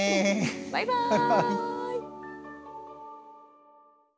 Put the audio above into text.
バイバーイ！